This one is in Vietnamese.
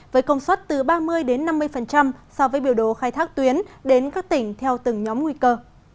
với công suất từ ba mươi năm mươi so với biểu đồ khai thác tuyến đến các tỉnh theo từng nhóm nguy cơ